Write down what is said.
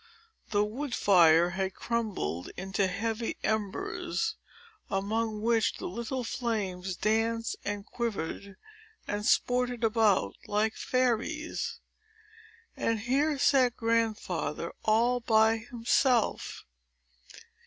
The wood fire had crumbled into heavy embers, among which the little flames danced, and quivered, and sported about, like fairies. And here sat Grandfather, all by himself.